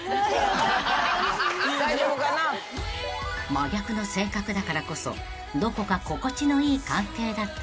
［真逆な性格だからこそどこか心地のいい関係だったり］